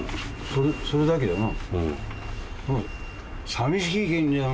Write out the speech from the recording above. それだけやな。